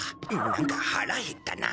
なんか腹減ったな。